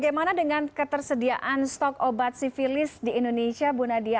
bagaimana dengan ketersediaan stok obat sivilis di indonesia bu nadia